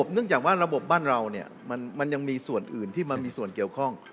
เนื่องจากว่าระบบบ้านเรามันยังมีส่วนอื่นที่มันมีส่วนเกี่ยวข้อง